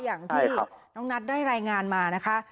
อย่างที่น้องนัทได้รายงานมานะคะ